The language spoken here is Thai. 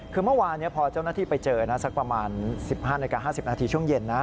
คือเมื่อวานพอเจ้าหน้าที่ไปเจอนะสักประมาณ๑๕นาฬิกา๕๐นาทีช่วงเย็นนะ